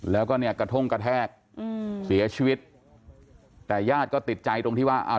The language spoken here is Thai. แล้วก็เนี่ยกระท่งกระแทกอืมเสียชีวิตแต่ญาติก็ติดใจตรงที่ว่าอ่า